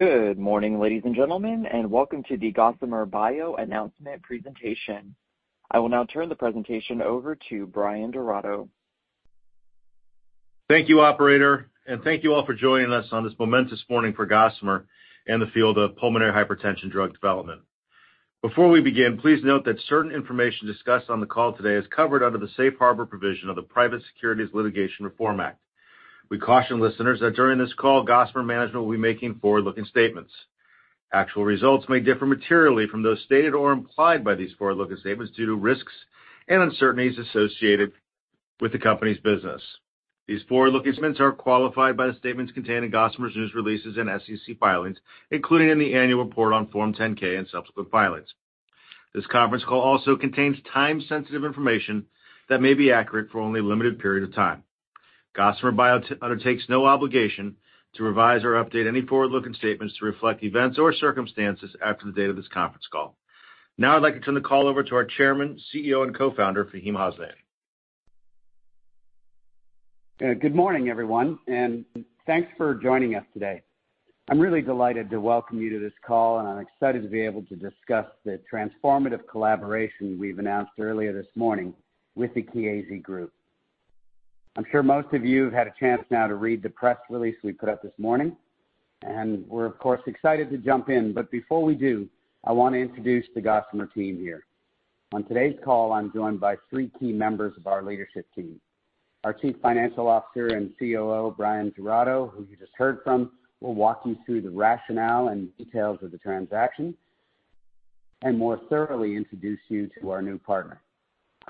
Good morning, ladies and gentlemen, and welcome to the Gossamer Bio announcement presentation. I will now turn the presentation over to Bryan Giraudo. Thank you, operator, and thank you all for joining us on this momentous morning for Gossamer and the field of pulmonary hypertension drug development. Before we begin, please note that certain information discussed on the call today is covered under the safe harbor provision of the Private Securities Litigation Reform Act. We caution listeners that during this call, Gossamer management will be making forward-looking statements. Actual results may differ materially from those stated or implied by these forward-looking statements due to risks and uncertainties associated with the company's business. These forward-looking statements are qualified by the statements contained in Gossamer's news releases and SEC filings, including in the annual report on Form 10-K and subsequent filings. This conference call also contains time-sensitive information that may be accurate for only a limited period of time. Gossamer Bio undertakes no obligation to revise or update any forward-looking statements to reflect events or circumstances after the date of this conference call. Now I'd like to turn the call over to our Chairman, CEO, and Co-Founder, Faheem Hasnain. Good morning, everyone, and thanks for joining us today. I'm really delighted to welcome you to this call, and I'm excited to be able to discuss the transformative collaboration we've announced earlier this morning with the Chiesi Group. I'm sure most of you have had a chance now to read the press release we put out this morning, and we're, of course, excited to jump in. But before we do, I want to introduce the Gossamer team here. On today's call, I'm joined by three key members of our leadership team. Our Chief Financial Officer and COO, Bryan Giraudo, who you just heard from, will walk you through the rationale and details of the transaction and more thoroughly introduce you to our new partner.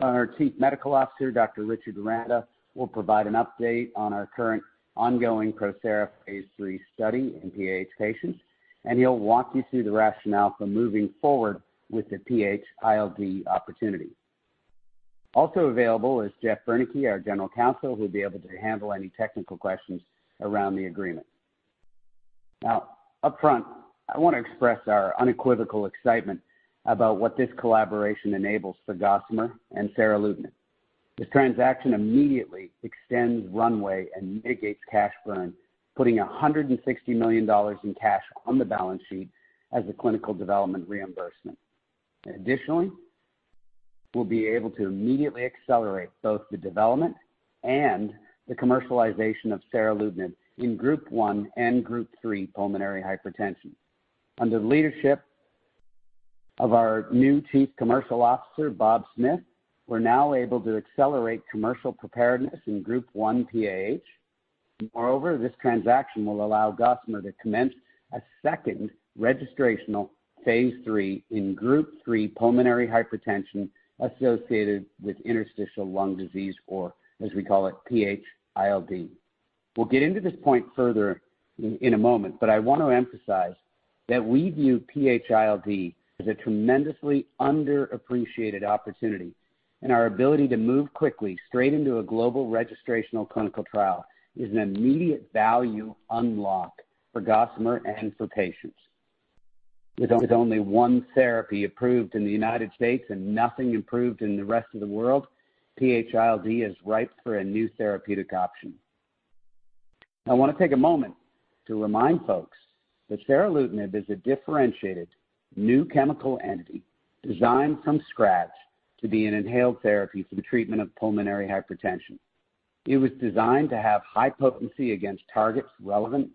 Our Chief Medical Officer, Dr. Richard Aranda will provide an update on our current ongoing ProSERA Phase III study in PAH patients, and he'll walk you through the rationale for moving forward with the PAH-ILD opportunity. Also available is Jeff Boan, our General Counsel, who'll be able to handle any technical questions around the agreement. Now, upfront, I want to express our unequivocal excitement about what this collaboration enables for Gossamer and seralutinib. The transaction immediately extends runway and mitigates cash burn, putting $160 million in cash on the balance sheet as a clinical development reimbursement. Additionally, we'll be able to immediately accelerate both the development and the commercialization of seralutinib in Group One and Group Three pulmonary hypertension. Under the leadership of our new Chief Commercial Officer, Bob Smith, we're now able to accelerate commercial preparedness in Group One PAH. Moreover, this transaction will allow Gossamer to commence a second registrational phase 3 in Group 3 pulmonary hypertension associated with interstitial lung disease, or as we call it, PAH ILD. We'll get into this point further in a moment, but I want to emphasize that we view PAH ILD as a tremendously underappreciated opportunity, and our ability to move quickly straight into a global registrational clinical trial is an immediate value unlock for Gossamer and for patients. With only one therapy approved in the United States and nothing improved in the rest of the world, PAH ILD is ripe for a new therapeutic option. I want to take a moment to remind folks that seralutinib is a differentiated new chemical entity, designed from scratch to be an inhaled therapy for the treatment of pulmonary hypertension. It was designed to have high potency against targets relevant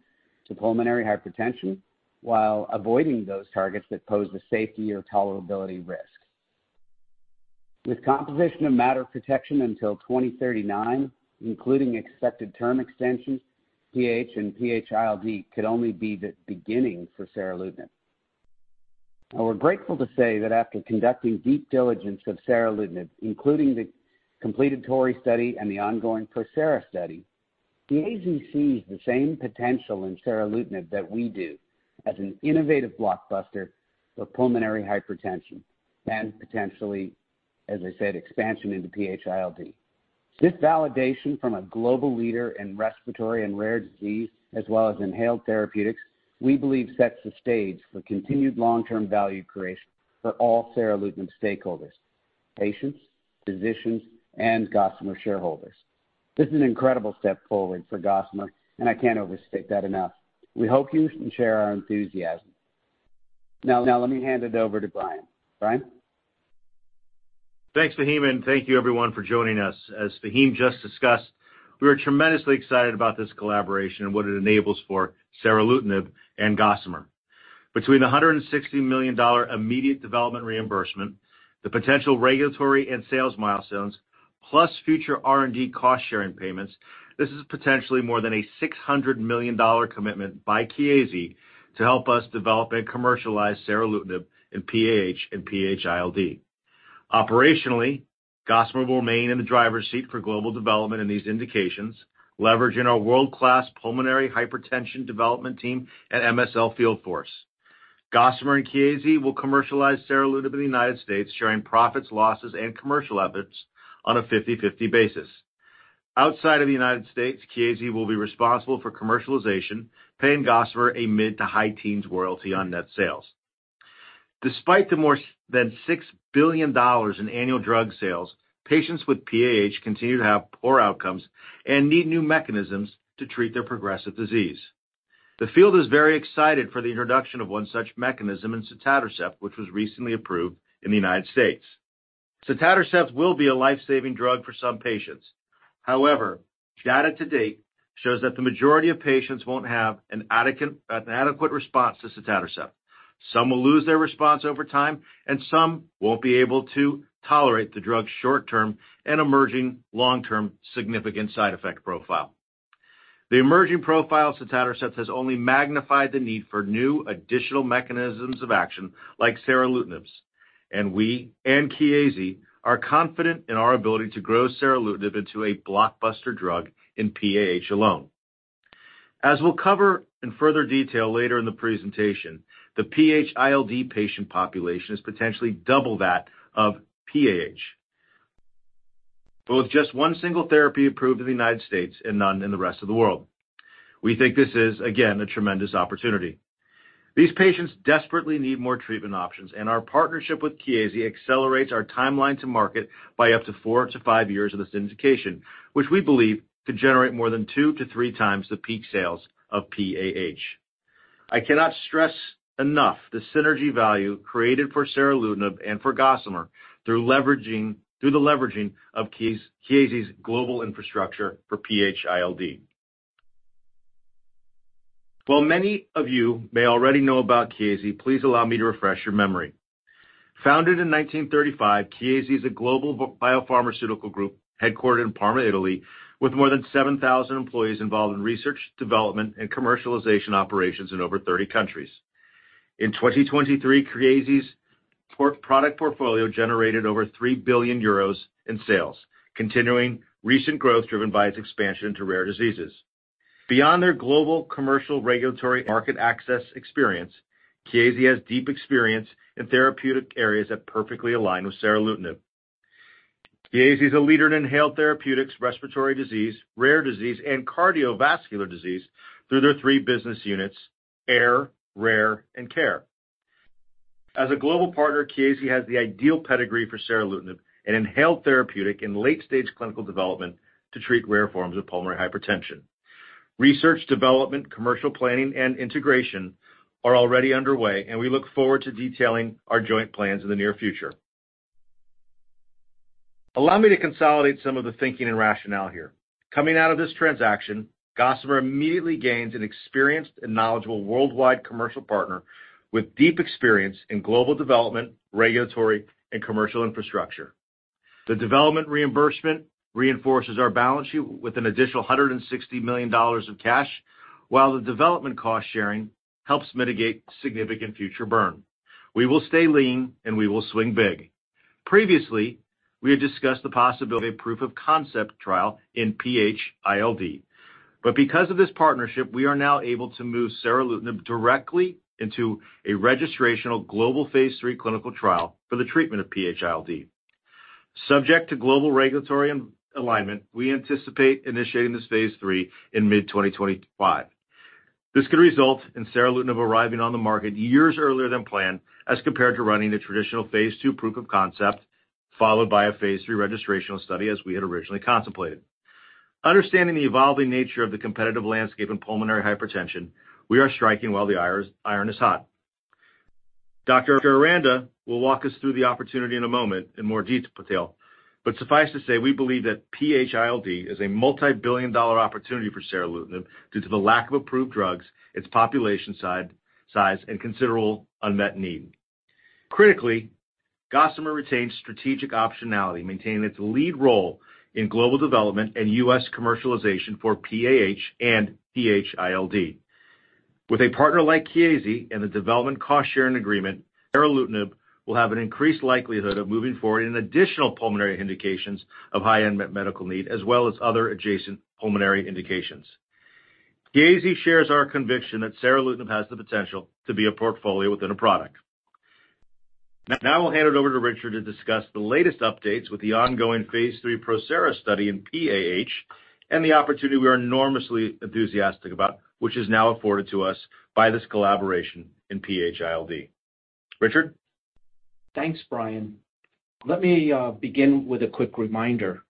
to pulmonary hypertension while avoiding those targets that pose a safety or tolerability risk. With composition of matter protection until 2039, including accepted term extensions, PAH and PAH-ILD could only be the beginning for seralutinib. And we're grateful to say that after conducting deep diligence of seralutinib, including the completed TORREY study and the ongoing ProSERA study, the agency sees the same potential in seralutinib that we do as an innovative blockbuster for pulmonary hypertension and potentially, as I said, expansion into PAH-ILD. This validation from a global leader in respiratory and rare disease, as well as inhaled therapeutics, we believe, sets the stage for continued long-term value creation for all seralutinib stakeholders, patients, physicians, and Gossamer shareholders. This is an incredible step forward for Gossamer, and I can't overstate that enough. We hope you can share our enthusiasm. Now, let me hand it over to Bryan. Bryan? Thanks, Faheem, and thank you everyone for joining us. As Faheem just discussed, we are tremendously excited about this collaboration and what it enables for seralutinib and Gossamer. Between the $160 million immediate development reimbursement, the potential regulatory and sales milestones, plus future R&D cost-sharing payments, this is potentially more than a $600 million commitment by Chiesi to help us develop and commercialize seralutinib in PAH and PAH-ILD. Operationally, Gossamer will remain in the driver's seat for global development in these indications, leveraging our world-class pulmonary hypertension development team and MSL field force. Gossamer and Chiesi will commercialize seralutinib in the United States, sharing profits, losses, and commercial efforts on a 50/50 basis. Outside of the United States, Chiesi will be responsible for commercialization, paying Gossamer a mid- to high-teens royalty on net sales.... Despite the more than $6 billion in annual drug sales, patients with PAH continue to have poor outcomes and need new mechanisms to treat their progressive disease. The field is very excited for the introduction of one such mechanism in sotatercept, which was recently approved in the United States. Sotatercept will be a life-saving drug for some patients. However, data to date shows that the majority of patients won't have an adequate response to sotatercept. Some will lose their response over time, and some won't be able to tolerate the drug's short-term and emerging long-term significant side effect profile. The emerging profile of sotatercept has only magnified the need for new additional mechanisms of action, like seralutinib, and we and Chiesi are confident in our ability to grow seralutinib into a blockbuster drug in PAH alone. As we'll cover in further detail later in the presentation, the PAH-ILD patient population is potentially double that of PAH, but with just one single therapy approved in the United States and none in the rest of the world. We think this is, again, a tremendous opportunity. These patients desperately need more treatment options, and our partnership with Chiesi accelerates our timeline to market by up to 4-5 years in this indication, which we believe could generate more than 2-3 times the peak sales of PAH. I cannot stress enough the synergy value created for seralutinib and for Gossamer through the leveraging of Chiesi's global infrastructure for PAH-ILD. While many of you may already know about Chiesi, please allow me to refresh your memory. Founded in 1935, Chiesi is a global biopharmaceutical group headquartered in Parma, Italy, with more than 7,000 employees involved in research, development, and commercialization operations in over 30 countries. In 2023, Chiesi's product portfolio generated over 3 billion euros in sales, continuing recent growth driven by its expansion into rare diseases. Beyond their global commercial regulatory market access experience, Chiesi has deep experience in therapeutic areas that perfectly align with seralutinib. Chiesi is a leader in inhaled therapeutics, respiratory disease, rare disease, and cardiovascular disease through their three business units: Air, Rare, and Care. As a global partner, Chiesi has the ideal pedigree for seralutinib, an inhaled therapeutic in late-stage clinical development to treat rare forms of pulmonary hypertension. Research, development, commercial planning, and integration are already underway, and we look forward to detailing our joint plans in the near future. Allow me to consolidate some of the thinking and rationale here. Coming out of this transaction, Gossamer immediately gains an experienced and knowledgeable worldwide commercial partner with deep experience in global development, regulatory, and commercial infrastructure. The development reimbursement reinforces our balance sheet with an additional $160 million of cash, while the development cost-sharing helps mitigate significant future burn. We will stay lean, and we will swing big. Previously, we had discussed the possibility of a proof of concept trial in PAH-ILD. But because of this partnership, we are now able to move seralutinib directly into a registrational global phase III clinical trial for the treatment of PAH-ILD. Subject to global regulatory and alignment, we anticipate initiating this phase III in mid-2025. This could result in seralutinib arriving on the market years earlier than planned, as compared to running a traditional Phase II proof of concept, followed by a Phase III registrational study, as we had originally contemplated. Understanding the evolving nature of the competitive landscape in pulmonary hypertension, we are striking while the iron is hot. Dr. Aranda will walk us through the opportunity in a moment in more detail, but suffice to say, we believe that PAH-ILD is a multibillion-dollar opportunity for seralutinib due to the lack of approved drugs, its population size, and considerable unmet need. Critically, Gossamer retains strategic optionality, maintaining its lead role in global development and U.S. commercialization for PAH and PAH-ILD. With a partner like Chiesi and a development cost-sharing agreement, seralutinib will have an increased likelihood of moving forward in additional pulmonary indications of high-end medical need, as well as other adjacent pulmonary indications. Chiesi shares our conviction that seralutinib has the potential to be a portfolio within a product. Now I will hand it over to Richard to discuss the latest updates with the ongoing Phase III ProSERA study in PAH and the opportunity we are enormously enthusiastic about, which is now afforded to us by this collaboration in PAH-ILD. Richard? Thanks, Bryan. Let me begin with a quick reminder.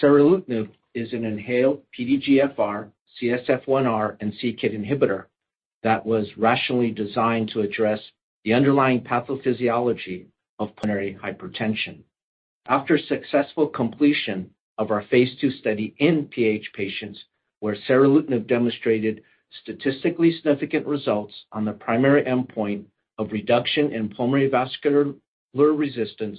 Seralutinib is an inhaled PDGFR, CSF1R, and c-KIT inhibitor that was rationally designed to address the underlying pathophysiology of pulmonary hypertension. After successful completion of our phase II study in PH patients, where seralutinib demonstrated statistically significant results on the primary endpoint of reduction in pulmonary vascular resistance,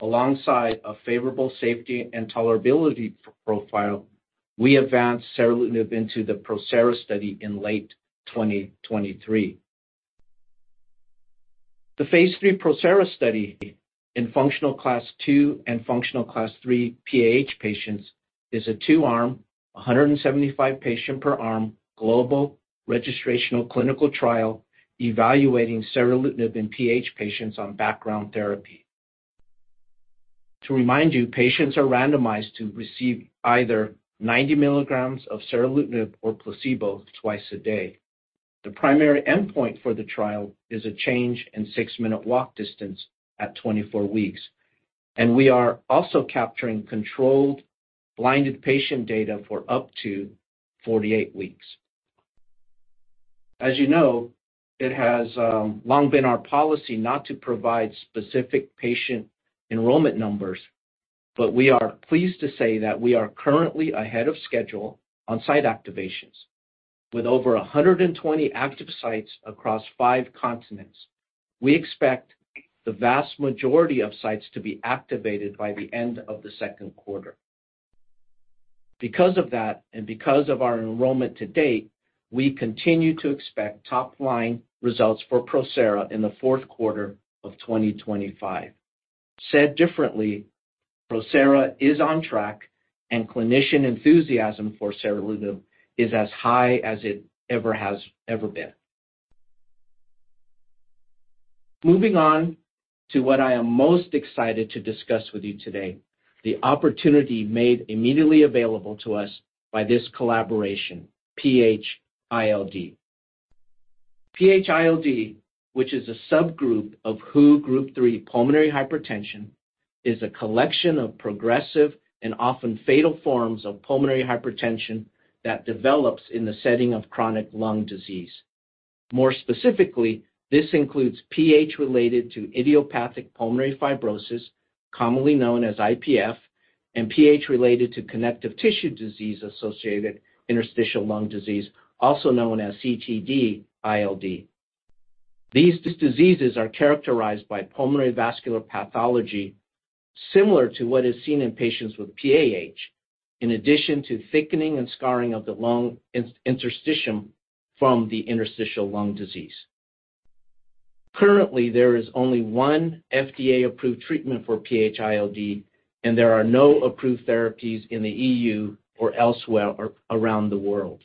alongside a favorable safety and tolerability profile, we advanced seralutinib into the ProSERA study in late 2023. The phase III ProSERA study in Functional Class II and Functional Class III PAH patients is a two-arm, 175 patients per arm, global registrational clinical trial evaluating seralutinib in PH patients on background therapy. To remind you, patients are randomized to receive either 90 milligrams of seralutinib or placebo twice a day. The primary endpoint for the trial is a change in 6-minute walk distance at 24 weeks, and we are also capturing controlled blinded patient data for up to 48 weeks. As you know, it has long been our policy not to provide specific patient enrollment numbers, but we are pleased to say that we are currently ahead of schedule on site activations. With over 120 active sites across five continents, we expect the vast majority of sites to be activated by the end of the second quarter. Because of that, and because of our enrollment to date, we continue to expect top-line results for ProSERA in the fourth quarter of 2025. Said differently, ProSERA is on track, and clinician enthusiasm for seralutinib is as high as it ever has ever been. Moving on to what I am most excited to discuss with you today, the opportunity made immediately available to us by this collaboration, PH-ILD. PH-ILD, which is a subgroup of WHO Group 3 pulmonary hypertension, is a collection of progressive and often fatal forms of pulmonary hypertension that develops in the setting of chronic lung disease. More specifically, this includes PH related to idiopathic pulmonary fibrosis, commonly known as IPF, and PH related to connective tissue disease-associated interstitial lung disease, also known as CTD-ILD. These diseases are characterized by pulmonary vascular pathology, similar to what is seen in patients with PAH, in addition to thickening and scarring of the lung interstitium from the interstitial lung disease. Currently, there is only one FDA-approved treatment for PH-ILD, and there are no approved therapies in the EU or elsewhere around the world.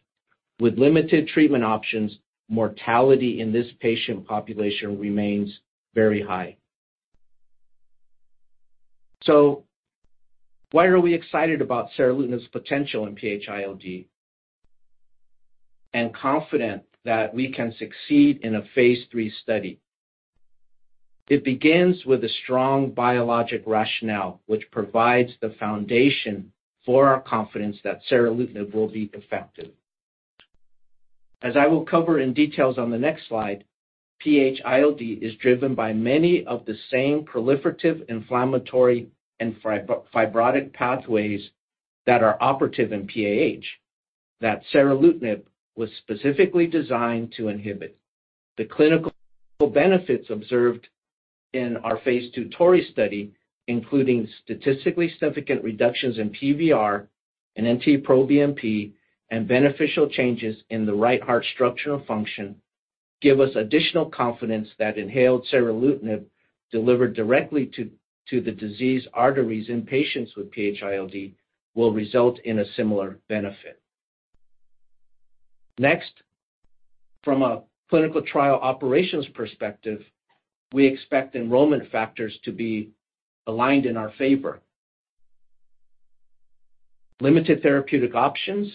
With limited treatment options, mortality in this patient population remains very high. So why are we excited about seralutinib's potential in PH-ILD and confident that we can succeed in a phase 3 study? It begins with a strong biologic rationale, which provides the foundation for our confidence that seralutinib will be effective. As I will cover in details on the next slide, PH-ILD is driven by many of the same proliferative, inflammatory, and fibrotic pathways that are operative in PAH, that seralutinib was specifically designed to inhibit. The clinical benefits observed in our phase 2 TORREY study, including statistically significant reductions in PVR and NT-proBNP, and beneficial changes in the right heart structural function, give us additional confidence that inhaled seralutinib delivered directly to the disease arteries in patients with PH-ILD will result in a similar benefit. Next, from a clinical trial operations perspective, we expect enrollment factors to be aligned in our favor. Limited therapeutic options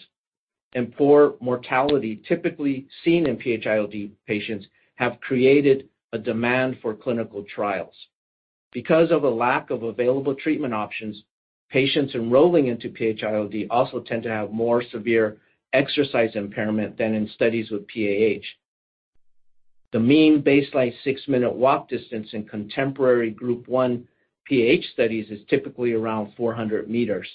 and poor mortality typically seen in PAH-ILD patients have created a demand for clinical trials. Because of a lack of available treatment options, patients enrolling into PAH-ILD also tend to have more severe exercise impairment than in studies with PAH. The mean baseline six-minute walk distance in contemporary Group One PAH studies is typically around 400 meters.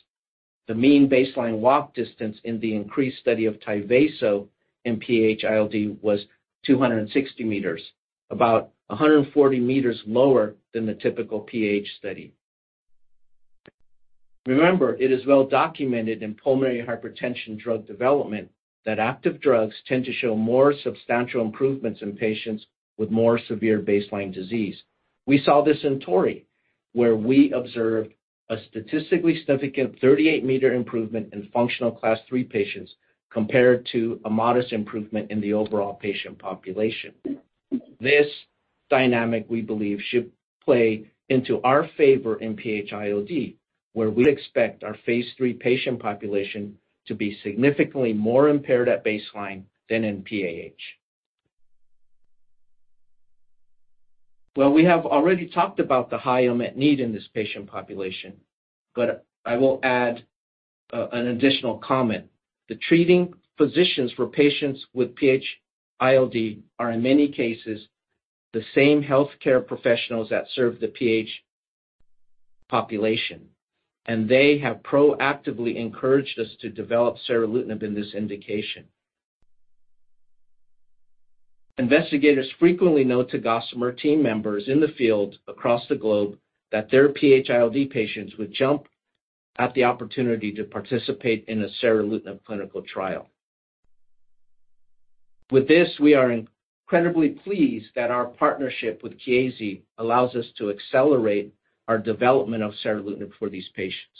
The mean baseline walk distance in the INCREASE study of Tyvaso in PAH-ILD was 260 meters, about 140 meters lower than the typical PAH study. Remember, it is well documented in pulmonary hypertension drug development that active drugs tend to show more substantial improvements in patients with more severe baseline disease. We saw this in TORREY, where we observed a statistically significant 38-meter improvement in Functional Class III patients, compared to a modest improvement in the overall patient population. This dynamic, we believe, should play into our favor in PH-ILD, where we expect our Phase 3 patient population to be significantly more impaired at baseline than in PAH. Well, we have already talked about the high unmet need in this patient population, but I will add an additional comment. The treating physicians for patients with PH-ILD are, in many cases, the same healthcare professionals that serve the PH population, and they have proactively encouraged us to develop seralutinib in this indication. Investigators frequently note to Gossamer team members in the field across the globe that their PH-ILD patients would jump at the opportunity to participate in a seralutinib clinical trial. With this, we are incredibly pleased that our partnership with Chiesi allows us to accelerate our development of seralutinib for these patients.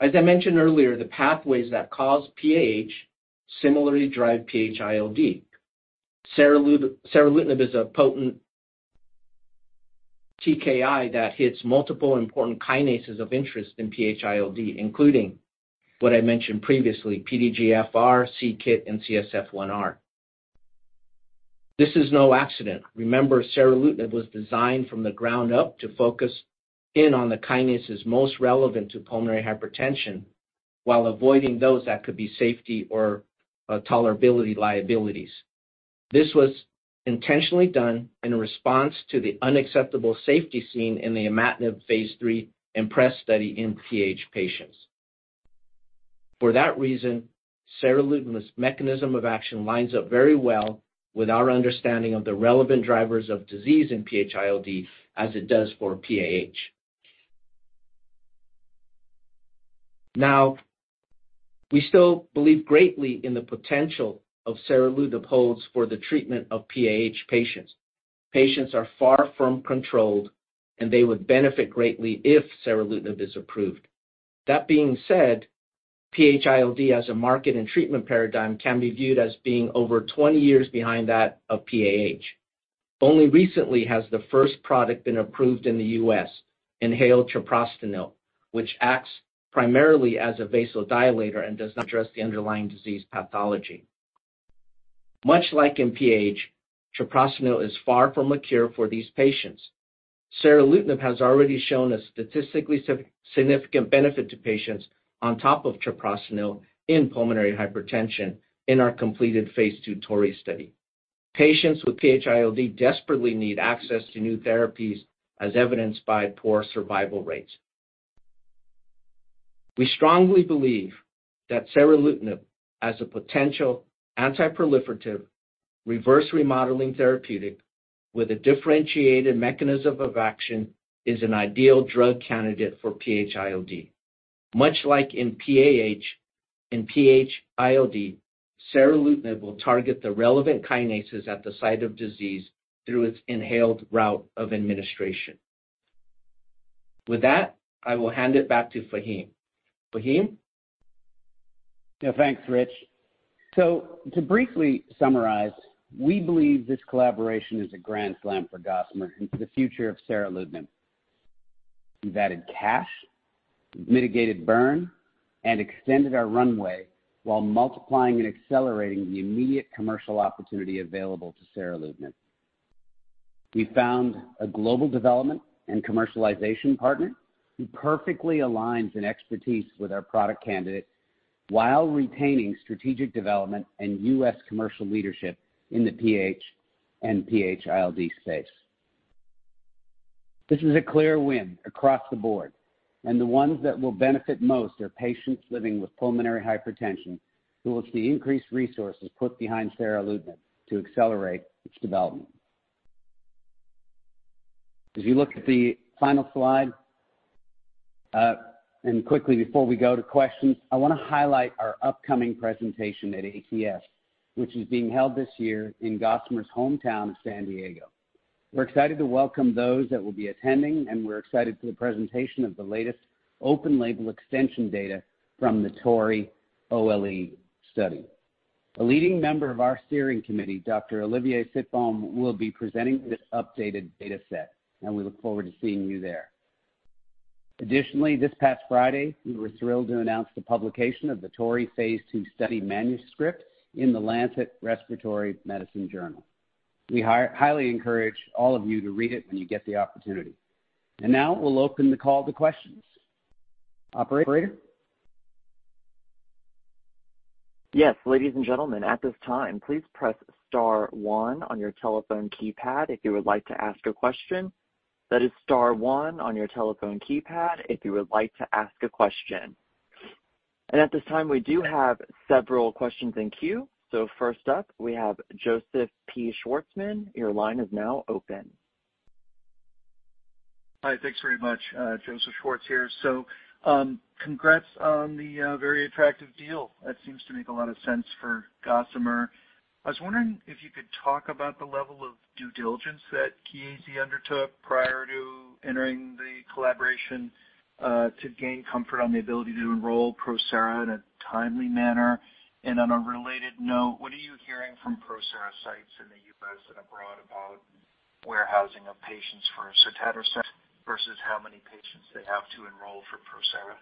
As I mentioned earlier, the pathways that cause PAH similarly drive PH-ILD. Seralutinib is a potent TKI that hits multiple important kinases of interest in PH-ILD, including what I mentioned previously, PDGFR, c-KIT, and CSF1R. This is no accident. Remember, seralutinib was designed from the ground up to focus in on the kinases most relevant to pulmonary hypertension while avoiding those that could be safety or tolerability liabilities. This was intentionally done in response to the unacceptable safety seen in the imatinib phase III IMPRESS study in PAH patients. For that reason, seralutinib's mechanism of action lines up very well with our understanding of the relevant drivers of disease in PH-ILD, as it does for PAH. Now, we still believe greatly in the potential of seralutinib holds for the treatment of PAH patients. Patients are far from controlled, and they would benefit greatly if seralutinib is approved. That being said, PH-ILD as a market and treatment paradigm can be viewed as being over 20 years behind that of PAH. Only recently has the first product been approved in the U.S., inhaled treprostinil, which acts primarily as a vasodilator and does not address the underlying disease pathology. Much like in PAH, treprostinil is far from a cure for these patients. Seralutinib has already shown a statistically significant benefit to patients on top of treprostinil in pulmonary hypertension in our completed phase 2 TORREY study. Patients with PH-ILD desperately need access to new therapies, as evidenced by poor survival rates. We strongly believe that seralutinib, as a potential anti-proliferative, reverse remodeling therapeutic with a differentiated mechanism of action, is an ideal drug candidate for PAH-ILD. Much like in PAH and PAH-ILD, seralutinib will target the relevant kinases at the site of disease through its inhaled route of administration. With that, I will hand it back to Faheem. Faheem? Yeah, thanks, Rich. So to briefly summarize, we believe this collaboration is a grand slam for Gossamer into the future of seralutinib. We've added cash, mitigated burn, and extended our runway while multiplying and accelerating the immediate commercial opportunity available to seralutinib. We found a global development and commercialization partner who perfectly aligns in expertise with our product candidate while retaining strategic development and U.S. commercial leadership in the PH and PH-ILD space. This is a clear win across the board, and the ones that will benefit most are patients living with pulmonary hypertension, who will see increased resources put behind seralutinib to accelerate its development. As you look at the final slide, and quickly before we go to questions, I want to highlight our upcoming presentation at ATS, which is being held this year in Gossamer's hometown of San Diego. We're excited to welcome those that will be attending, and we're excited for the presentation of the latest open label extension data from the TORREY-OLE study. A leading member of our steering committee, Dr. Olivier Sitbon, will be presenting this updated data set, and we look forward to seeing you there. Additionally, this past Friday, we were thrilled to announce the publication of the TORREY phase II study manuscript in the Lancet Respiratory Medicine Journal. We highly encourage all of you to read it when you get the opportunity. Now we'll open the call to questions. Operator? Yes, ladies and gentlemen, at this time, please press star one on your telephone keypad if you would like to ask a question. That is star one on your telephone keypad if you would like to ask a question. At this time, we do have several questions in queue. First up, we have Joseph Schwartz. Your line is now open. Hi, thanks very much, Joseph Schwartz here. So, congrats on the very attractive deal. That seems to make a lot of sense for Gossamer. I was wondering if you could talk about the level of due diligence that Chiesi undertook prior to entering the collaboration, to gain comfort on the ability to enroll ProSERA in a timely manner. And on a related note, what are you hearing from ProSERA sites in the US and abroad about warehousing of patients for sotatercept versus how many patients they have to enroll for ProSERA?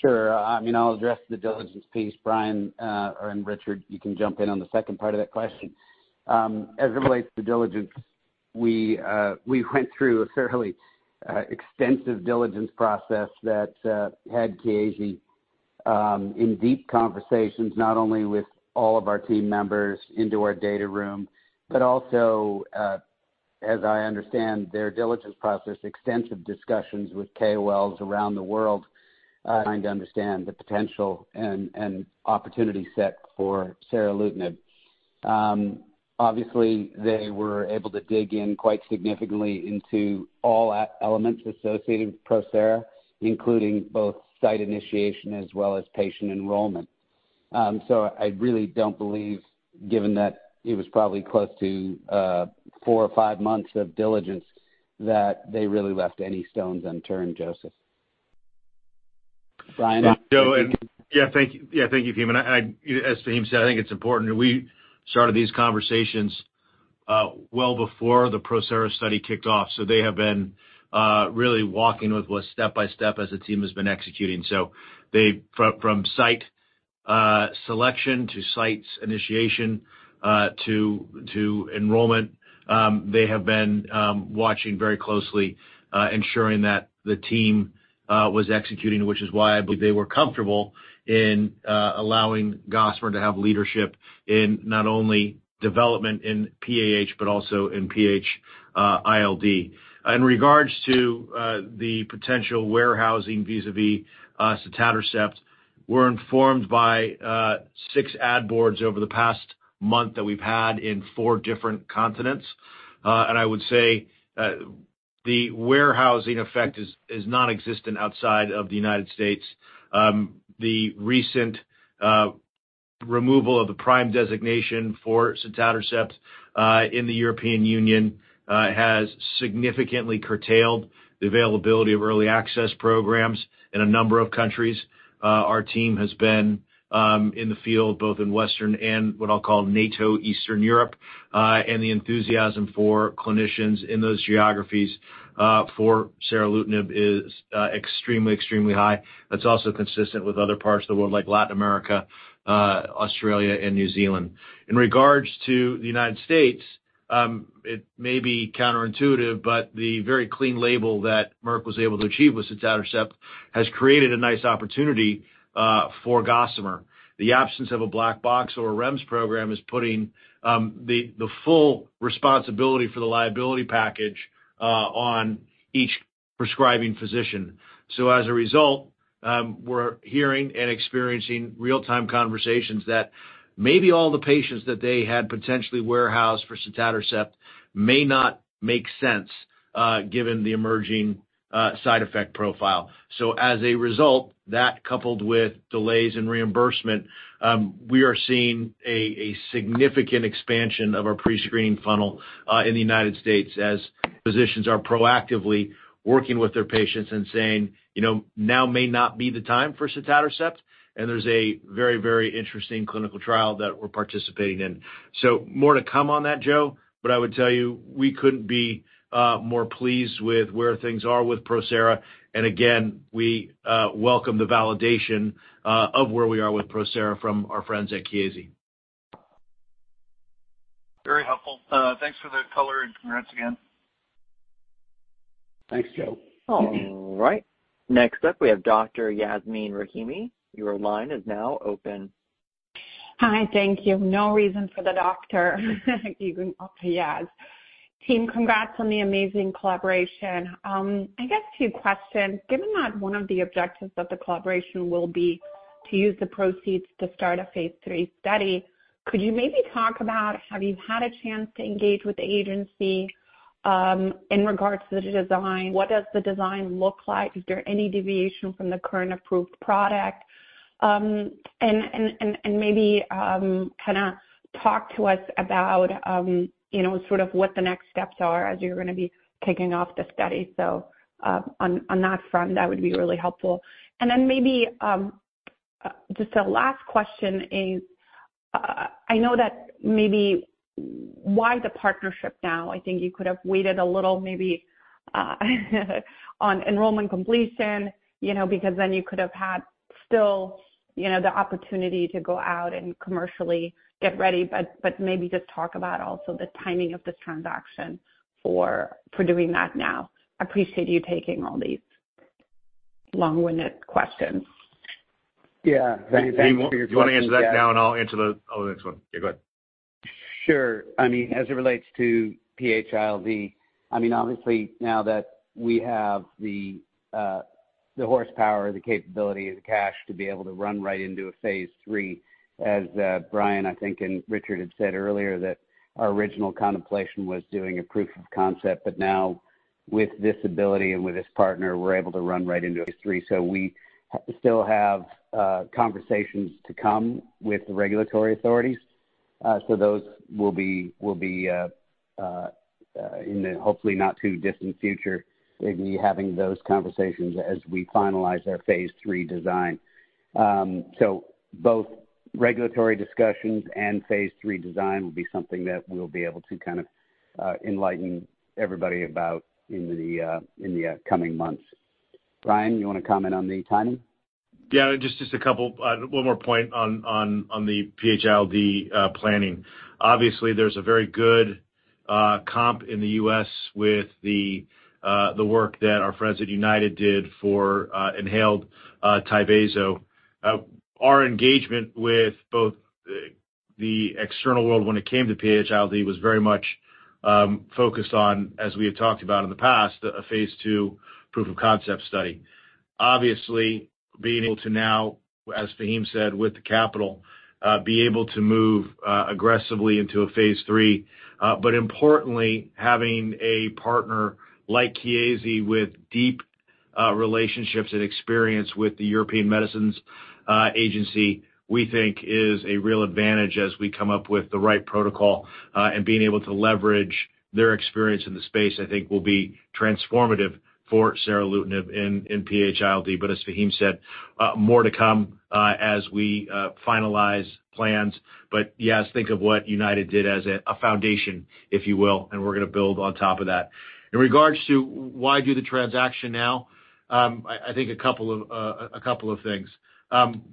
Sure. I mean, I'll address the diligence piece. Bryan and Richard, you can jump in on the second part of that question. As it relates to diligence, we went through a fairly extensive diligence process that had Chiesi in deep conversations, not only with all of our team members into our data room, but also, as I understand their diligence process, extensive discussions with KOLs around the world, trying to understand the potential and opportunity set for seralutinib. Obviously, they were able to dig in quite significantly into all elements associated with PROSERA, including both site initiation as well as patient enrollment. So I really don't believe, given that it was probably close to four or five months of diligence, that they really left any stones unturned, Joseph. Bryan? Joe, yeah, thank you. Yeah, thank you, Faheem. And I, as Faheem said, I think it's important that we started these conversations well before the ProSERA study kicked off. So they have been really walking with us step by step as the team has been executing. So they from site selection to site initiation to enrollment, they have been watching very closely ensuring that the team was executing, which is why I believe they were comfortable in allowing Gossamer to have leadership in not only development in PAH, but also in PH-ILD. In regards to the potential warehousing vis-à-vis sotatercept, we're informed by six ad boards over the past month that we've had in four different continents. And I would say the warehousing effect is nonexistent outside of the United States. The recent removal of the PRIME designation for sotatercept in the European Union has significantly curtailed the availability of early access programs in a number of countries. Our team has been in the field, both in Western and what I'll call NATO Eastern Europe, and the enthusiasm for clinicians in those geographies for seralutinib is extremely, extremely high. That's also consistent with other parts of the world, like Latin America, Australia, and New Zealand. In regards to the United States, it may be counterintuitive, but the very clean label that Merck was able to achieve with sotatercept has created a nice opportunity for Gossamer. The absence of a black box or a REMS program is putting the full responsibility for the liability package on each prescribing physician. So as a result, we're hearing and experiencing real-time conversations that maybe all the patients that they had potentially warehoused for sotatercept may not make sense, given the emerging side effect profile. So as a result, that coupled with delays in reimbursement, we are seeing a significant expansion of our pre-screening funnel in the United States as physicians are proactively working with their patients and saying, "You know, now may not be the time for sotatercept," and there's a very, very interesting clinical trial that we're participating in. So more to come on that, Joe, but I would tell you, we couldn't be more pleased with where things are with ProSERA, and again, we welcome the validation of where we are with ProSERA from our friends at Chiesi. Very helpful. Thanks for the color, and congrats again. Thanks, Joe. All right. Next up, we have Dr. Yasmeen Rahimi. Your line is now open. Hi, thank you. No reason for the doctor. You can call me Yas. Team, congrats on the amazing collaboration. I guess two questions: Given that one of the objectives of the collaboration will be to use the proceeds to start a phase III study, could you maybe talk about, have you had a chance to engage with the agency in regards to the design? What does the design look like? Is there any deviation from the current approved product? And maybe kinda talk to us about you know sort of what the next steps are as you're gonna be kicking off the study. So on that front, that would be really helpful. And then maybe just a last question is I know that maybe why the partnership now? I think you could have waited a little, maybe, on enrollment completion, you know, because then you could have had still, you know, the opportunity to go out and commercially get ready. But maybe just talk about also the timing of this transaction for doing that now. I appreciate you taking all these long-winded questions. Yeah. Thank you for your question- You wanna answer that now, and I'll answer the other next one? Yeah, go ahead. Sure. I mean, as it relates to PH-ILD, I mean, obviously, now that we have the horsepower, the capability, the cash to be able to run right into a phase III, as Bryan, I think, and Richard had said earlier, that our original contemplation was doing a proof of concept. But now with this ability and with this partner, we're able to run right into a phase III. So we still have conversations to come with the regulatory authorities. So those will be in the hopefully not too distant future, we'll be having those conversations as we finalize our phase III design. So both regulatory discussions and phase III design will be something that we'll be able to kind of enlighten everybody about in the coming months. Bryan, you wanna comment on the timing? Yeah, just a couple... one more point on the PH-ILD planning. Obviously, there's a very good comp in the US with the work that our friends at United did for inhaled Tyvaso. Our engagement with both the external world when it came to PH-ILD was very much focused on, as we had talked about in the past, a phase II proof of concept study. Obviously, being able to now, as Faheem said, with the capital, be able to move aggressively into a phase III, but importantly, having a partner like Chiesi with deep-... relationships and experience with the European Medicines Agency, we think is a real advantage as we come up with the right protocol, and being able to leverage their experience in the space, I think, will be transformative for seralutinib in PAH-ILD. But as Faheem said, more to come as we finalize plans. But yes, think of what United did as a foundation, if you will, and we're gonna build on top of that. In regards to why do the transaction now? I think a couple of things.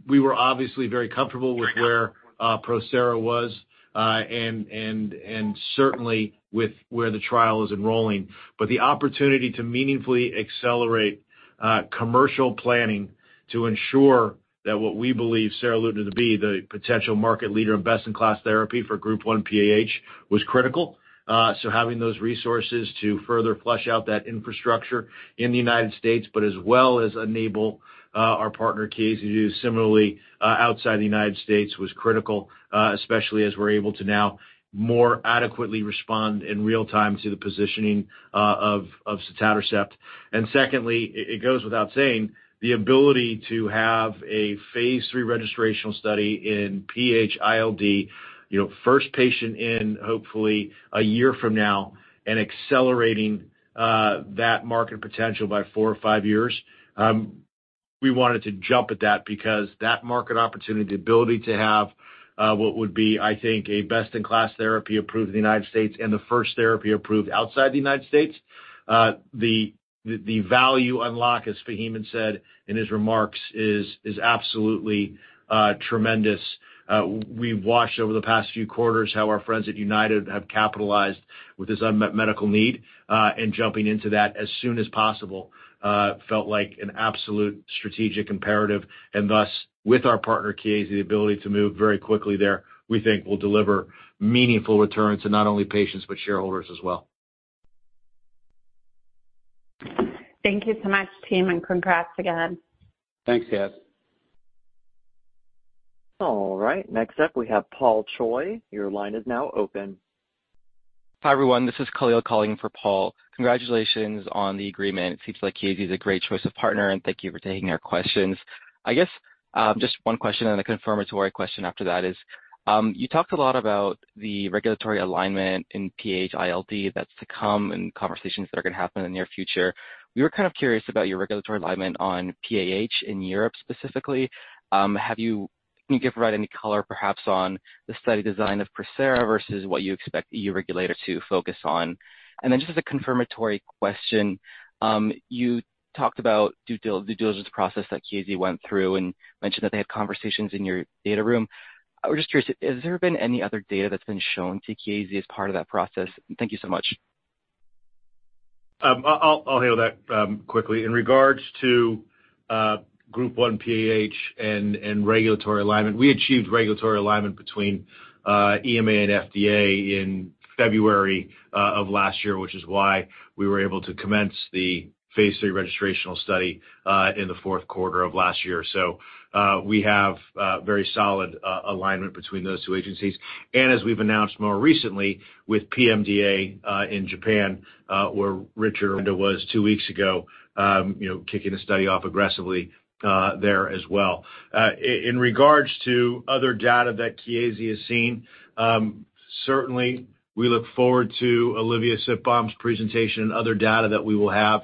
We were obviously very comfortable with where ProSERA was, and certainly with where the trial is enrolling. But the opportunity to meaningfully accelerate commercial planning to ensure that what we believe seralutinib to be the potential market leader and best-in-class therapy for Group 1 PAH was critical. So having those resources to further flesh out that infrastructure in the United States, but as well as enable our partner, Chiesi, to do similarly outside the United States, was critical, especially as we're able to now more adequately respond in real time to the positioning of sotatercept. And secondly, it goes without saying, the ability to have a phase III registrational study in PAH-ILD, you know, first patient in, hopefully, a year from now and accelerating that market potential by four or five years. We wanted to jump at that because that market opportunity, the ability to have what would be, I think, a best-in-class therapy approved in the United States and the first therapy approved outside the United States, the value unlock, as Faheem had said in his remarks, is absolutely tremendous. We've watched over the past few quarters how our friends at United have capitalized with this unmet medical need, and jumping into that as soon as possible felt like an absolute strategic imperative. And thus, with our partner, Chiesi, the ability to move very quickly there, we think will deliver meaningful returns to not only patients, but shareholders as well. Thank you so much, team, and congrats again. Thanks, Kat. All right, next up, we have Paul Choi. Your line is now open. Hi, everyone. This is Khalil calling for Paul. Congratulations on the agreement. It seems like Chiesi is a great choice of partner, and thank you for taking our questions. I guess, just one question and a confirmatory question after that is, you talked a lot about the regulatory alignment in PAH ILD that's to come and conversations that are going to happen in the near future. We were kind of curious about your regulatory alignment on PAH in Europe, specifically. Have you- can you give right, any color, perhaps on the study design of ProSERA versus what you expect the EU regulator to focus on? And then just as a confirmatory question, you talked about due diligence process that Chiesi went through and mentioned that they had conversations in your data room. I was just curious, has there been any other data that's been shown to Chiesi as part of that process? Thank you so much. I'll handle that quickly. In regards to Group 1 PAH and regulatory alignment, we achieved regulatory alignment between EMA and FDA in February of last year, which is why we were able to commence the Phase III registrational study in the fourth quarter of last year. So, we have very solid alignment between those two agencies. And as we've announced more recently, with PMDA in Japan, where Richard Aranda was two weeks ago, you know, kicking the study off aggressively there as well. In regards to other data that Chiesi has seen, certainly we look forward to Olivier Sitbon's presentation and other data that we will have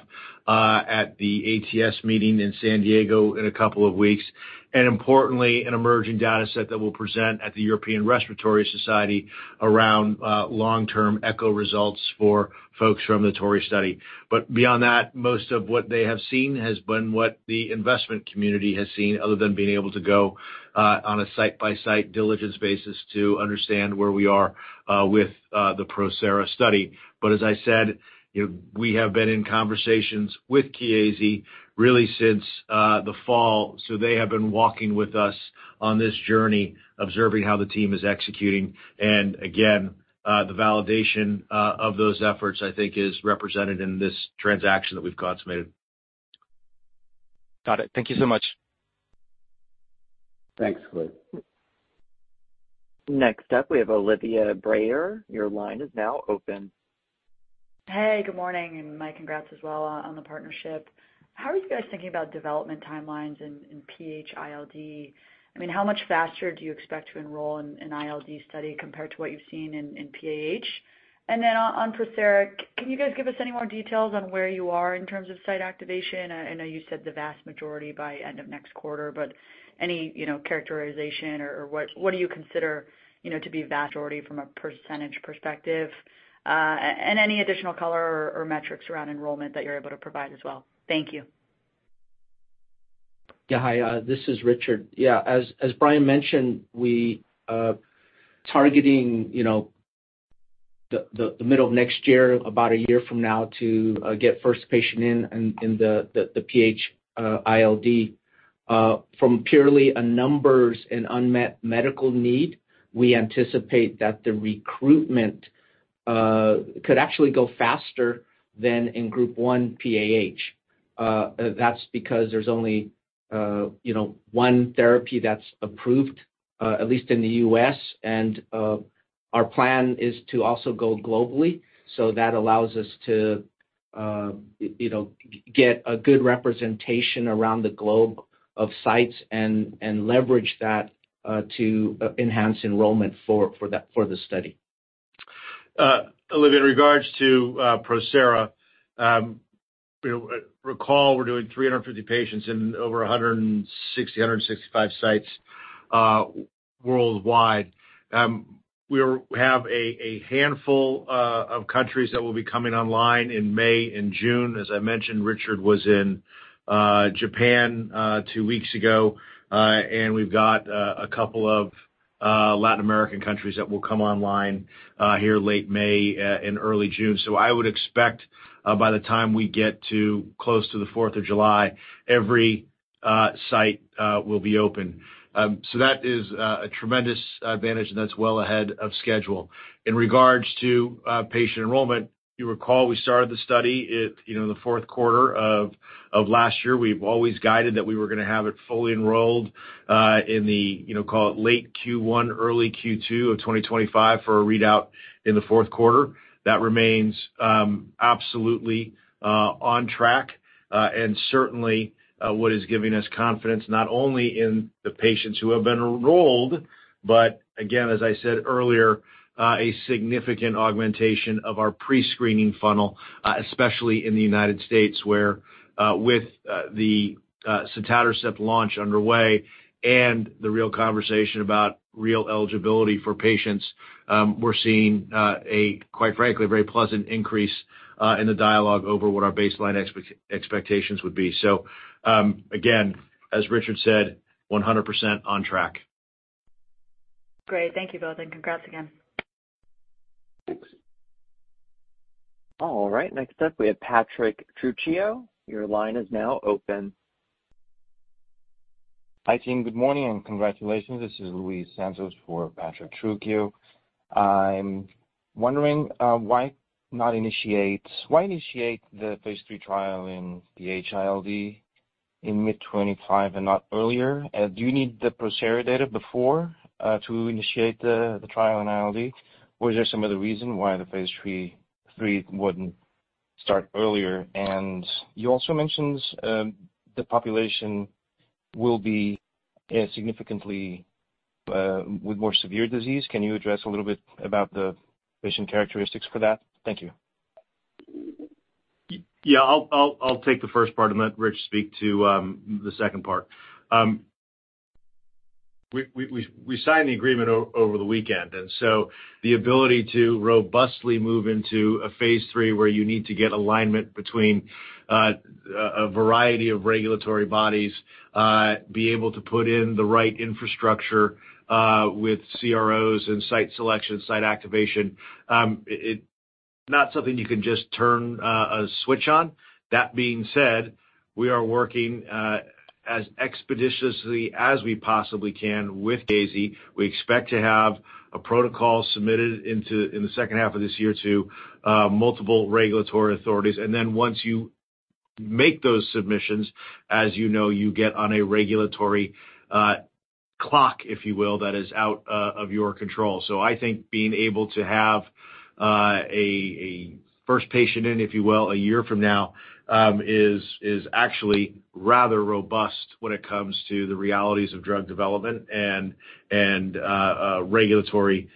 at the ATS meeting in San Diego in a couple of weeks, and importantly, an emerging data set that we'll present at the European Respiratory Society around long-term echo results for folks from the TORREY study. But beyond that, most of what they have seen has been what the investment community has seen, other than being able to go on a site-by-site diligence basis to understand where we are with the PROSERA study. But as I said, you know, we have been in conversations with Chiesi, really since the fall, so they have been walking with us on this journey, observing how the team is executing. And again, the validation of those efforts, I think, is represented in this transaction that we've consummated. Got it. Thank you so much. Thanks, Khalil. Next up, we have Olivia Brayer. Your line is now open. Hey, good morning, and my congrats as well on the partnership. How are you guys thinking about development timelines in PAH ILD? I mean, how much faster do you expect to enroll in an ILD study compared to what you've seen in PAH? And then on ProSERA, can you guys give us any more details on where you are in terms of site activation? I know you said the vast majority by end of next quarter, but any, you know, characterization or what do you consider, you know, to be vast already from a percentage perspective, and any additional color or metrics around enrollment that you're able to provide as well? Thank you. Yeah. Hi, this is Richard. Yeah, as Bryan mentioned, we targeting, you know, the middle of next year, about a year from now, to get first patient in the PAH-ILD. From purely a numbers and unmet medical need, we anticipate that the recruitment could actually go faster than in Group 1 PAH. That's because there's only, you know, one therapy that's approved, at least in the U.S., and... Our plan is to also go globally, so that allows us to, you know, get a good representation around the globe of sites and leverage that, to enhance enrollment for that, for the study. Olivia, in regards to ProSERA, we recall we're doing 350 patients in over 165 sites worldwide. We have a handful of countries that will be coming online in May and June. As I mentioned, Richard was in Japan two weeks ago. And we've got a couple of Latin American countries that will come online here late May and early June. So I would expect by the time we get to close to the Fourth of July, every site will be open. So that is a tremendous advantage, and that's well ahead of schedule. In regards to patient enrollment, you recall we started the study at, you know, the fourth quarter of last year. We've always guided that we were gonna have it fully enrolled in the, you know, call it, late Q1, early Q2 of 2025 for a readout in the fourth quarter. That remains absolutely on track, and certainly what is giving us confidence, not only in the patients who have been enrolled, but again, as I said earlier, a significant augmentation of our pre-screening funnel, especially in the United States, where with the sotatercept launch underway and the real conversation about real eligibility for patients, we're seeing, quite frankly, a very pleasant increase in the dialogue over what our baseline expectations would be. So, again, as Richard said, 100% on track. Great. Thank you both, and congrats again. Thanks. All right, next up, we have Patrick Trucchio. Your line is now open. Hi, team. Good morning, and congratulations. This is Luis Santos for Patrick Trucchio. I'm wondering, why not initiate... Why initiate the phase 3 trial in the ILD in mid-2025 and not earlier? Do you need the PROSERA data before, to initiate the trial in ILD? Or is there some other reason why the phase 3 wouldn't start earlier? And you also mentioned, the population will be significantly with more severe disease. Can you address a little bit about the patient characteristics for that? Thank you. Yeah, I'll take the first part and let Rich speak to the second part. We signed the agreement over the weekend, and so the ability to robustly move into a Phase III, where you need to get alignment between a variety of regulatory bodies, be able to put in the right infrastructure with CROs and site selection, site activation, it's not something you can just turn a switch on. That being said, we are working as expeditiously as we possibly can with Chiesi. We expect to have a protocol submitted in the second half of this year to multiple regulatory authorities. And then once you make those submissions, as you know, you get on a regulatory clock, if you will, that is out of your control. So I think being able to have a first patient in, if you will, a year from now, is actually rather robust when it comes to the realities of drug development and regulatory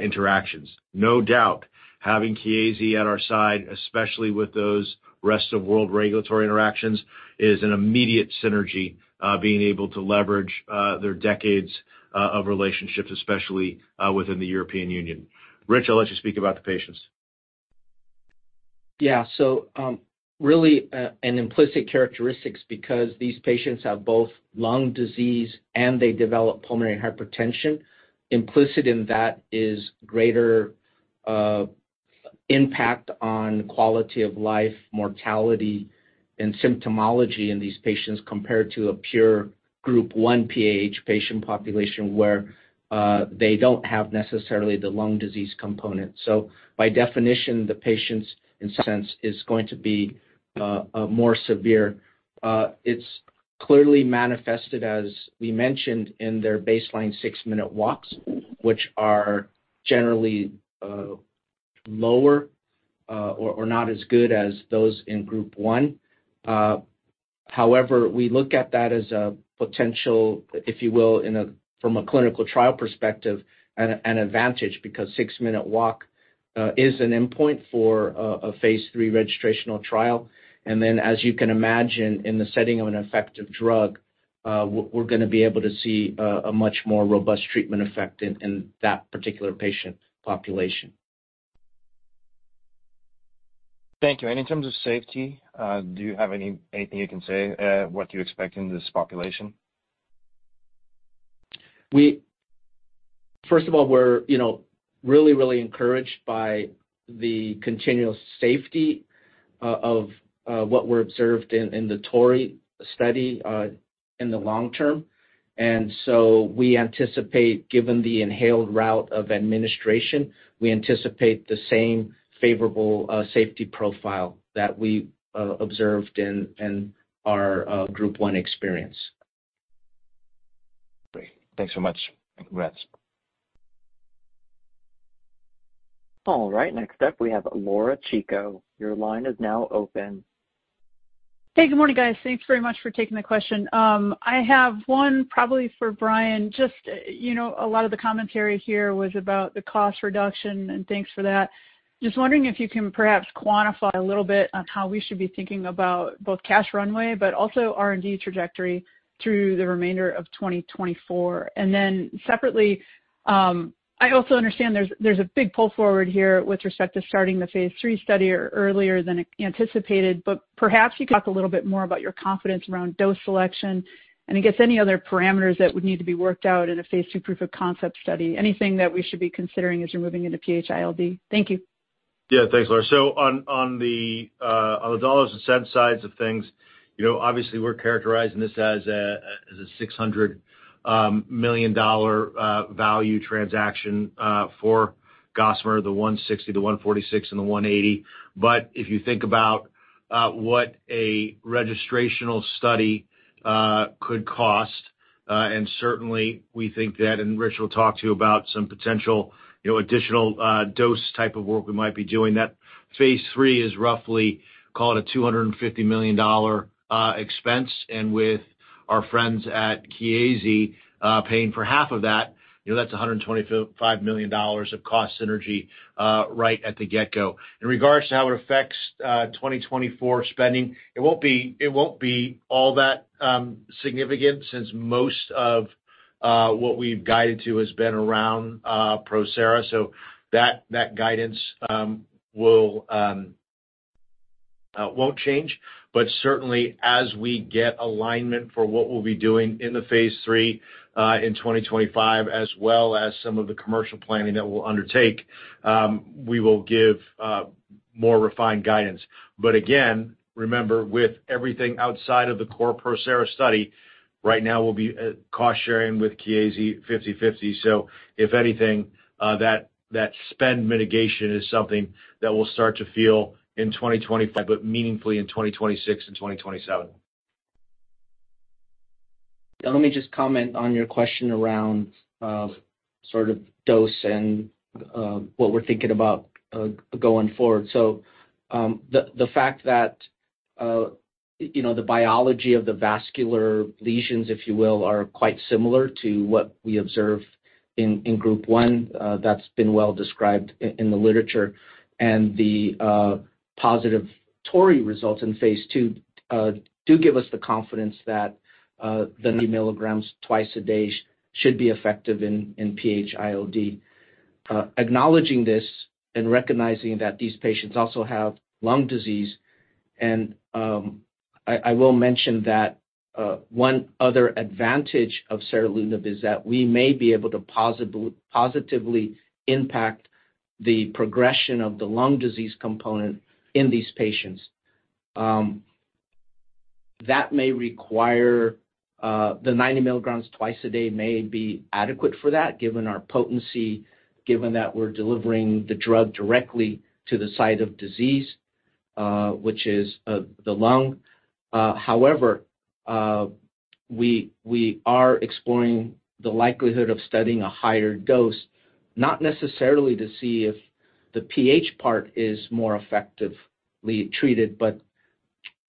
interactions. No doubt, having Chiesi at our side, especially with those rest-of-world regulatory interactions, is an immediate synergy, being able to leverage their decades of relationships, especially within the European Union. Rich, I'll let you speak about the patients. Yeah. So, really, an implicit characteristics because these patients have both lung disease, and they develop pulmonary hypertension. Implicit in that is greater, impact on quality of life, mortality, and symptomology in these patients compared to a pure Group One PAH patient population, where, they don't have necessarily the lung disease component. So by definition, the patient's, in a sense, is going to be, more severe. It's clearly manifested, as we mentioned, in their baseline six-minute walks, which are generally, lower, or not as good as those in Group One. However, we look at that as a potential, if you will, from a clinical trial perspective, an advantage, because six-minute walk, is an endpoint for, a Phase III registrational trial. And then, as you can imagine, in the setting of an effective drug, we're gonna be able to see a much more robust treatment effect in that particular patient population. Thank you. In terms of safety, do you have anything you can say, what you expect in this population? First of all, we're, you know, really, really encouraged by the continual safety of what were observed in the TORREY study in the long term. And so we anticipate, given the inhaled route of administration, we anticipate the same favorable safety profile that we observed in our Group One experience.... Great. Thanks so much, and congrats. All right, next up, we have Laura Chico. Your line is now open. Hey, good morning, guys. Thanks very much for taking the question. I have one probably for Brian. Just, you know, a lot of the commentary here was about the cost reduction, and thanks for that. Just wondering if you can perhaps quantify a little bit on how we should be thinking about both cash runway, but also R&D trajectory through the remainder of 2024. And then separately, I also understand there's, there's a big pull forward here with respect to starting the phase 3 study or earlier than anticipated, but perhaps you could talk a little bit more about your confidence around dose selection, and I guess any other parameters that would need to be worked out in a phase 2 proof of concept study. Anything that we should be considering as you're moving into PH-ILD. Thank you. Yeah, thanks, Laura. So on the dollars and cents sides of things, you know, obviously we're characterizing this as a $600 million value transaction for Gossamer, the $160 million, the $146 million, and the $180 million. But if you think about what a registrational study could cost, and certainly we think that, and Rich will talk to you about some potential, you know, additional dose type of work we might be doing. That phase 3 is roughly called a $250 million expense, and with our friends at Chiesi paying for half of that, you know, that's a $125 million of cost synergy right at the get-go. In regards to how it affects 2024 spending, it won't be, it won't be all that significant since most of what we've guided to has been around ProSERA. So that, that guidance will won't change. But certainly, as we get alignment for what we'll be doing in the phase 3 in 2025, as well as some of the commercial planning that we'll undertake, we will give more refined guidance. But again, remember, with everything outside of the core ProSERA study, right now we'll be cost sharing with Chiesi 50/50. So if anything, that, that spend mitigation is something that we'll start to feel in 2025, but meaningfully in 2026 and 2027. Let me just comment on your question around sort of dose and what we're thinking about going forward. So, the fact that, you know, the biology of the vascular lesions, if you will, are quite similar to what we observe in Group 1, that's been well described in the literature. And the positive TORREY results in phase 2 do give us the confidence that the 90 milligrams twice a day should be effective in PAH-ILD. Acknowledging this and recognizing that these patients also have lung disease, and I will mention that one other advantage of seralutinib is that we may be able to possibly positively impact the progression of the lung disease component in these patients. That may require the 90 milligrams twice a day may be adequate for that, given our potency, given that we're delivering the drug directly to the site of disease, which is the lung. However, we are exploring the likelihood of studying a higher dose, not necessarily to see if the PH part is more effectively treated, but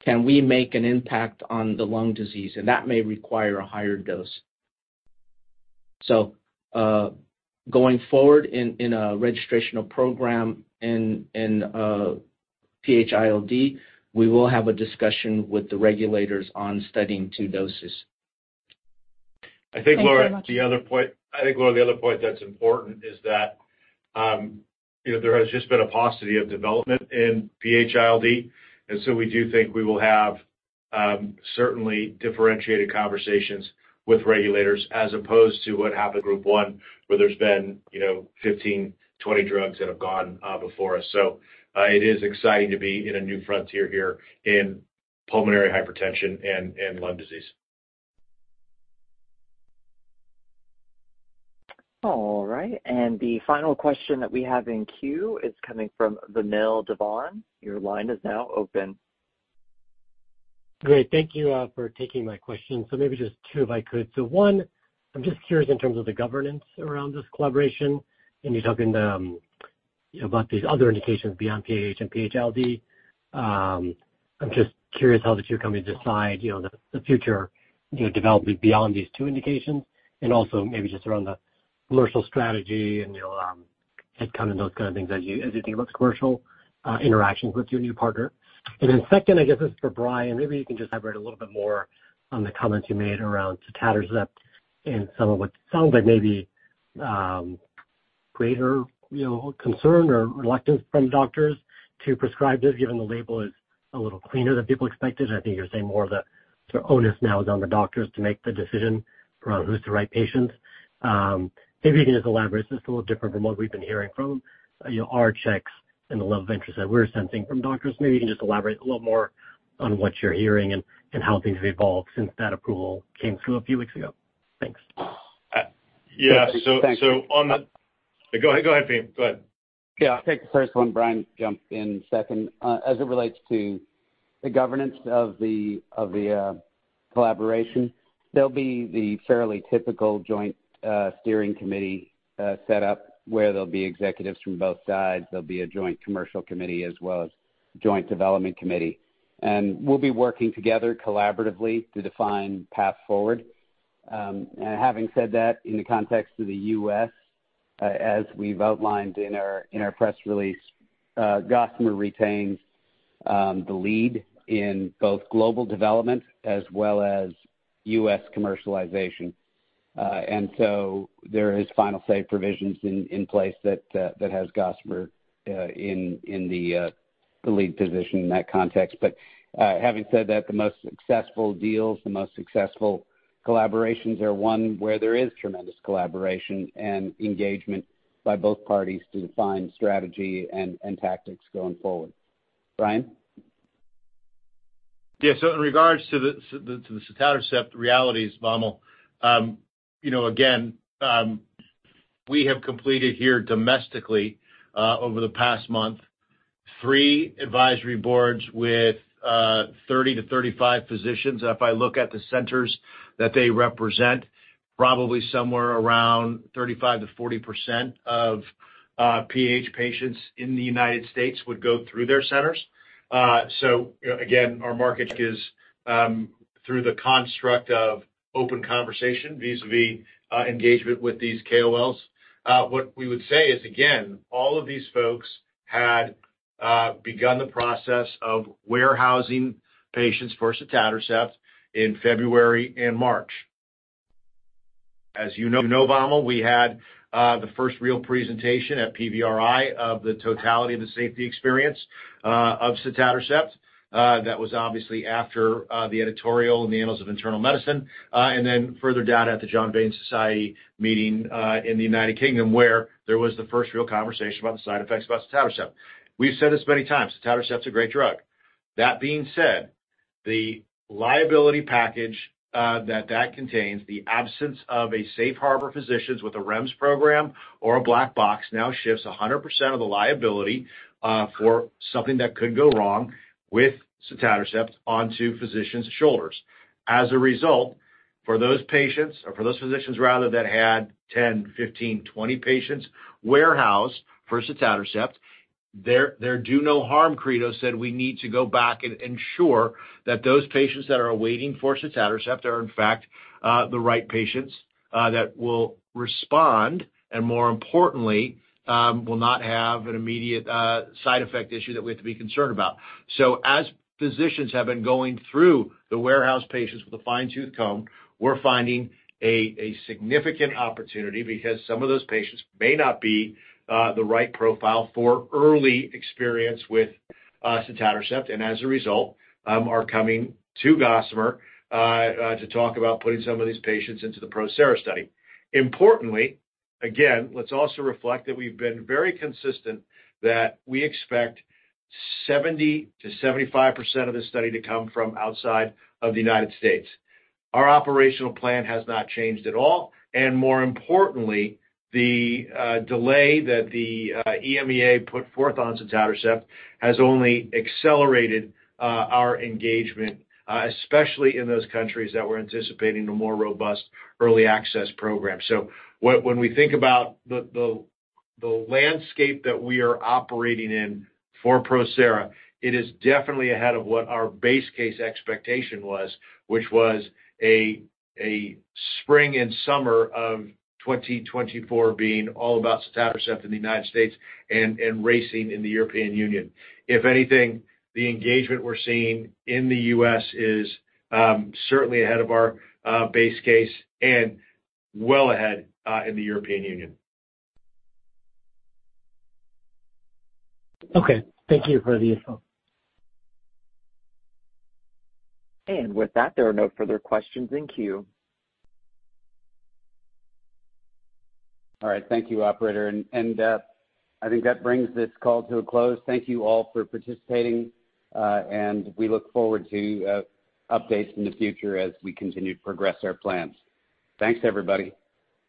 can we make an impact on the lung disease? And that may require a higher dose. So, going forward in a registrational program in PHILD, we will have a discussion with the regulators on studying 2 doses. Thanks very much. I think, Laura, the other point that's important is that, you know, there has just been a paucity of development in PHILD, and so we do think we will have certainly differentiated conversations with regulators as opposed to what happened in group one, where there's been, you know, 15, 20 drugs that have gone before us. So, it is exciting to be in a new frontier here in pulmonary hypertension and lung disease. All right, and the final question that we have in queue is coming fromVamil Divan. Your line is now open. Great. Thank you, for taking my question. So maybe just two, if I could. So one, I'm just curious in terms of the governance around this collaboration, and you're talking, you know, about these other indications beyond PAH and PAH-ILD. I'm just curious how the two companies decide, you know, the, the future, you know, development beyond these two indications, and also maybe just around the commercial strategy and, you know, kind of those kind of things as you, as you think about commercial, interactions with your new partner. And then second, I guess this is for Bryan, maybe you can just elaborate a little bit more on the comments you made around sotatercept and some of what sounds like maybe, greater, you know, concern or reluctance from doctors to prescribe this, given the label is a little cleaner than people expected. I think you're saying more of the sort of onus now is on the doctors to make the decision around who's the right patient. Maybe you can just elaborate. This is a little different from what we've been hearing from, you know, our checks and the level of interest that we're sensing from doctors. Maybe you can just elaborate a little more on what you're hearing and, and how things have evolved since that approval came through a few weeks ago. Thanks.... Yeah, so, so on the. Go ahead, go ahead, Faheem, go ahead. Yeah, I'll take the first one, Bryan, jump in second. As it relates to the governance of the collaboration, there'll be the fairly typical joint steering committee set up, where there'll be executives from both sides. There'll be a joint commercial committee as well as a joint development committee. And we'll be working together collaboratively to define path forward. And having said that, in the context of the U.S., as we've outlined in our press release, Gossamer retains the lead in both global development as well as U.S. commercialization. And so there is final say provisions in place that has Gossamer in the lead position in that context. Having said that, the most successful deals, the most successful collaborations are one where there is tremendous collaboration and engagement by both parties to define strategy and tactics going forward. Bryan? Yeah, so in regards to the sotatercept realities, Vamil, you know, again, we have completed here domestically over the past month three advisory boards with 30-35 physicians. And if I look at the centers that they represent, probably somewhere around 35%-40% of PAH patients in the United States would go through their centers. So, you know, again, our market is through the construct of open conversation, vis-a-vis engagement with these KOLs. What we would say is, again, all of these folks had begun the process of warehousing patients for sotatercept in February and March. As you know, Vamil, we had the first real presentation at PVRI of the totality of the safety experience of sotatercept. That was obviously after the editorial in the Annals of Internal Medicine, and then further down at the John Vane Society meeting in the United Kingdom, where there was the first real conversation about the side effects about sotatercept. We've said this many times, sotatercept is a great drug. That being said, the liability package that that contains, the absence of a safe harbor physicians with a REMS program or a black box now shifts 100% of the liability for something that could go wrong with sotatercept onto physicians' shoulders. As a result, for those patients, or for those physicians, rather, that had 10, 15, 20 patients warehoused for sotatercept, their do-no-harm credo said, we need to go back and ensure that those patients that are waiting for sotatercept are, in fact, the right patients that will respond, and more importantly, will not have an immediate side effect issue that we have to be concerned about. So as physicians have been going through the warehoused patients with a fine-tooth comb, we're finding a significant opportunity because some of those patients may not be the right profile for early experience with sotatercept, and as a result, are coming to Gossamer to talk about putting some of these patients into the PROSERA study. Importantly, again, let's also reflect that we've been very consistent that we expect 70%-75% of the study to come from outside of the United States. Our operational plan has not changed at all, and more importantly, the delay that the EMEA put forth on sotatercept has only accelerated our engagement, especially in those countries that we're anticipating a more robust early access program. So when we think about the landscape that we are operating in for ProSERA, it is definitely ahead of what our base case expectation was, which was a spring and summer of 2024 being all about sotatercept in the United States and racing in the European Union. If anything, the engagement we're seeing in the U.S. is certainly ahead of our base case and well ahead in the European Union. Okay. Thank you for the info. With that, there are no further questions in queue. All right. Thank you, operator. And, I think that brings this call to a close. Thank you all for participating, and we look forward to updates in the future as we continue to progress our plans. Thanks, everybody.